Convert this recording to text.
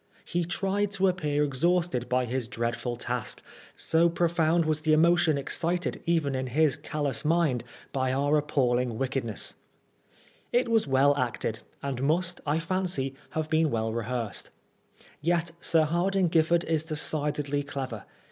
He tried to appear exhausted by his dreadful task, so profound was the emotion excited even in his callous mind by our appalling wickedness. AT THE OLD BAILEY. 69 It was well acted, and must, I fancy, have been well rehearsed. Yes, Sir Hardinge GiflEard is decidedly clever.